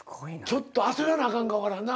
ちょっと焦らなあかんかわからんな。